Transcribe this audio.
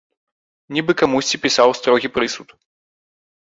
Нібы камусьці пісаў строгі прысуд.